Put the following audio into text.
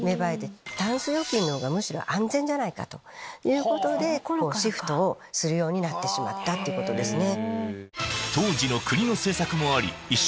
タンス預金の方がむしろ安全じゃないかということでシフトをするようになったんですね。